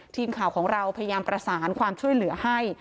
ทีมข่าวของเราพยายามประสานความช่วยเหลือให้